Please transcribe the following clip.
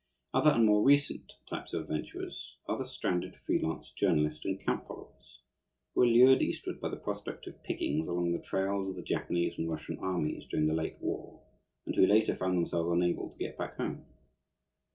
Other, and more recent, types of adventurers are the stranded free lance journalist and camp followers who were lured Eastward by the prospect of pickings along the trails of the Japanese and Russian armies during the late war, and who later found themselves unable to get back home.